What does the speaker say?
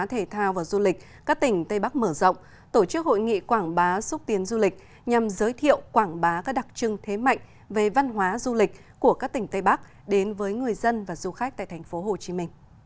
thể thao và du lịch các tỉnh tây bắc mở rộng tổ chức hội nghị quảng bá xúc tiến du lịch nhằm giới thiệu quảng bá các đặc trưng thế mạnh về văn hóa du lịch của các tỉnh tây bắc đến với người dân và du khách tại tp hcm